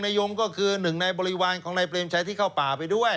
นายโยงก็คือหนึ่งในบริวารของในเปรียบใช้ที่เข้าป่าไปด้วย